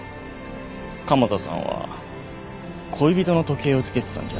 加茂田さんは恋人の時計を着けてたんじゃ？